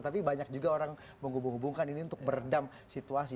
tapi banyak juga orang menghubung hubungkan ini untuk beredam situasi